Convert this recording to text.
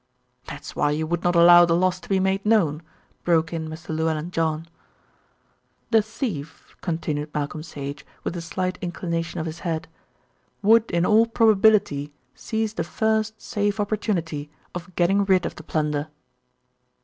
"That's why you would not allow the loss to be made known," broke in Mr. Llewellyn John. "The thief," continued Malcolm Sage, with a slight inclination of his head, "would in all probability seize the first safe opportunity of getting rid of the plunder."